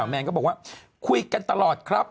แมนก็บอกว่าคุยกันตลอดครับ